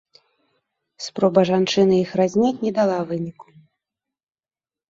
Спроба жанчыны іх разняць не дала выніку.